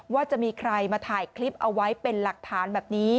ว่าจะมีใครมาถ่ายคลิปเอาไว้เป็นหลักฐานแบบนี้